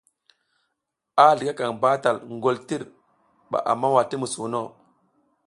A zligakaƞ batal ngoltir ɓa a mawa ti musuwuno.